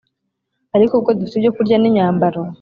Ariko ubwo dufite ibyo kurya n imyambaro